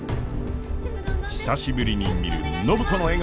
久しぶりに見る暢子の笑顔。